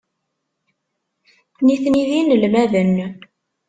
Nitni d inelmaden.